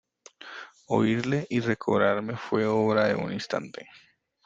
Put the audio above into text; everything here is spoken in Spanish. oírle y recobrarme fué obra de un instante.